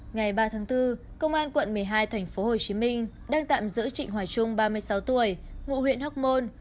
ngày ba tháng bốn công an quận một mươi hai tp hcm đang tạm giữ trịnh hoài trung ba mươi sáu tuổi ngụ huyện hóc môn